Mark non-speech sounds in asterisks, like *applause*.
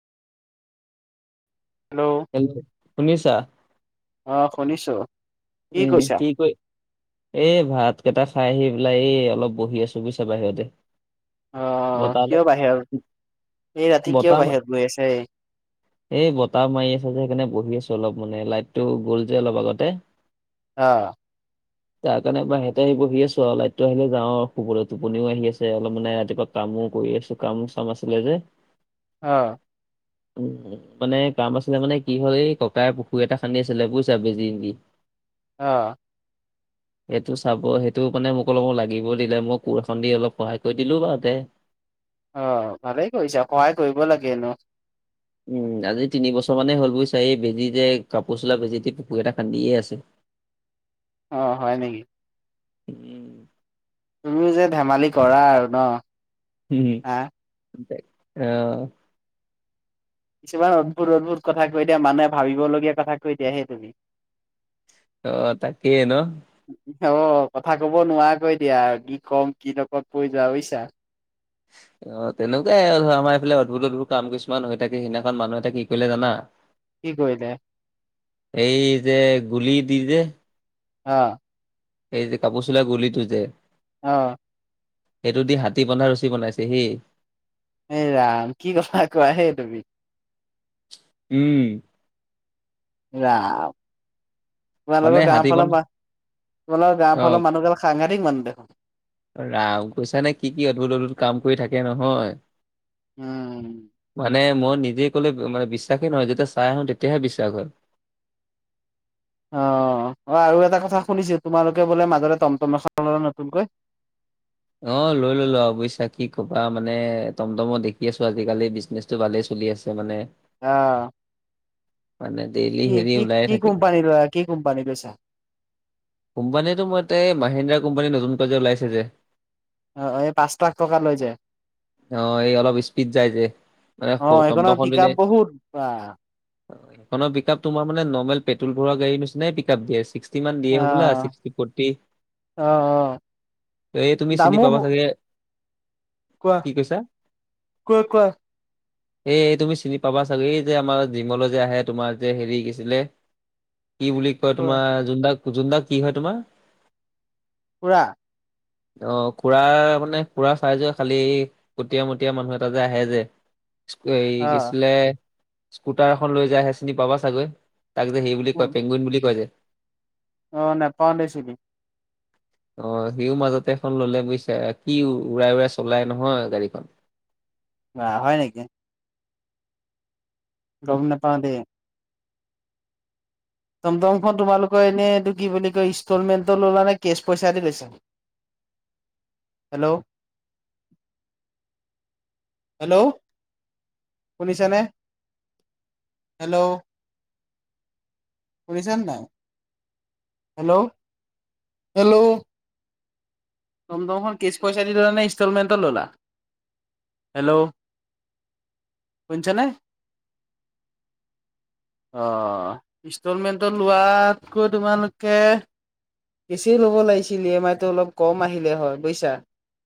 Hello hello শুনিছা। অ শুনিছো। উম উ উ, কি কৰে? এই ভাত কেইটা খাই আহি পেলাই এই অলপ বহি আছো বুজিছা বাহিৰতে। অ অ অ অ বতাহ কিয় অলপ বাহিৰত এই ৰাতি কিয় বতাহ মা- বাহিৰত গৈ আছে? এই বতাহ মাৰি আছে যে সেইকাৰণে বহি আছো অলপ মানে লাইট টো গ'ল যে অলপ আগতে। আ আ আ তাৰ কাৰণে বাহিৰতে আহি বহি আছো আৰু লাইটটো আহিলে যাওঁ আৰু শুবলে টোপনিও আহি আছে অলপ মানে ৰাতিপুৱা কামো কৰি আছো কামো চাম আছিলে যে। অ অ। উম উ উ মানে কাম আছিলে মানে কি হ'ল এই ককাই পুখুৰী এটা খান্দি আছিলে বুজিছা মেচিন দি। আ আ আ। এইটো চাব সেইটো মানে মোক অলপ সময় লাগিব দিলে মই কোৰ এখন দি অলপ সহায় কৰি দিলো বাৰুতে। অ অ অ ভালেই কৰিছা সহায় কৰিব লাগে ন। উম উ উ, আজি তিন বছৰ মানে হ'ল বুজিছা এই মেচিন যে কাপোৰ চোলা মেচিন দি পুখুৰ এটা খান্দিয়ে আছে। অ, হয় নেকি। উম উ উ উ তুমিও যে ধেমালি কৰা আৰু ন। হুম হা হুম তা অ কিছুমান অদ্ভুত অদ্ভুত কথা কৈ দিয়া মানুহে ভাবিবলগীয়া কথা কৈ দিয়া সে তুমি অ তাকেই ন। কু কু অ অ অ অ কথা কব নোৱাৰাকৈ দিয়া কি ক'ম কি লগকত কৈ যোৱা বুজিছা। *unintelligible* অ অ তেনেকুৱাই আৰু ধৰা আমাৰ এইফালে অদ্ভুত অদ্ভুত কাম কিছুমান হৈ থাকে সিদিনাখন মানুহ এটা কি কৰিলে জানা। কি কৰিলে এই যে গুলি দি যে অ এই যে কাপোৰ চিলোৱা গুলিতো যে অ সেইটো দি হাতী বন্ধা ৰছী বনাইছে হে এই ৰাম কি কথা কোৱা হে তুমি উম ৰাম মানে তোমালোকৰ গাওঁ হাতী বন ফালৰ পৰা তোমালোকৰ গাওঁ অ', ফালৰ মানুহ গাল সাংঘাতিক মানুহ দেখোন। ৰাম কৈছানে কি কি অদ্ভুত অদ্ভুত কাম কৰি থাকে নহয়। উম মানে মই নিজে কলে মানে বিশ্বাসে নহয় যেতিয়া চাই আহো তেতিয়াহে বিশ্বাস হয়। অ অ আৰু এটা কথা শুনিছো তোমালোকে বোলে মাজতে টমটম এখন‌ ললা নতুনকৈ অ লৈ ললো আও বুইছা কি কবা মানে টমটমৰ দেখি আছো আজিকালি বিজনেচ টো ভালেই চলি আছে মানে অহ মানে দেইলি কি কি কি কোম্পানীৰ লৈ কি কোম্পানী লৈছা। কোম্পানীটো মই তে এই মহিন্দ্ৰা কোম্পানী নতুন কে যে ওলাইছে যে অ অ এই পাঁচ লাখ টকা লয় যে অ এই অলপ স্পীড যায় যে মানে অ সেইখনৰ টমটমত পিক দিলে আপ বহুত বাহ অ সেইখন পিক আপ তোমাৰ মানে নৰ্মেল পেট্ৰল ভৰোৱা গাড়ী ‍নিচিনাই পিক আপ দিয়ে ছিক্সটি মান দিয়ে ওলা আহ ছিক্সটি ফৰ্তি অ অ এই তুমি চিনি দামো পাবা চাগে কোৱা কি কৈছা কোৱা কোৱা এই তুমি চিনি পাবা চাগে এই যে আমাৰ জিমলৈ যে আহে তোমাৰ যে হেৰি কি আছিলে কি বুলি কয় কোৱা তোমাৰ জোনদাক জোনদাক কি হয় তোমাৰ খুৰা অ খুৰা মানে খুৰা চাইজৱে খালি কটীয়া মটীয়া মানুহ এটা যে আহে যে স্কু এই অ কি আছিলে স্কুটাৰ এখন লৈ যায় সেই চিনি পাবা চাগৈ তাক যে সেই বুলি কয় পেংগুইন বুলি কয় যে অ নেপাও‌ দেই ‍‍চিনি অ সিও মাজতে এখন ললে বুজিছা কি উৰাই উৰাই চলাই নহয় গাড়ীখন। বা হয় নেকি গম নাপাও দেই টমটমখন তোমালোকৰ এনেই এইটো কি বুলি কয় ইনষ্টলমেণ্টত ললা নে কেচ পইচা দি লৈছা হেল্ল হেল্ল ‌শুনিছা নে হেল্ল শুনিছা নাই! Hello hello. টমটমখন কেচ পইচা দিলা নে ইনষ্টলমেণ্টত ল'লা হেল্ল'। শুনিছা নে। অ ইনষ্টলমেণ্টত লোৱাতকৈ তোমালোকে কেছে ল'ব লাগিছিল ই এম আই টো অলপ কম আহিলে হয় বুজিছা।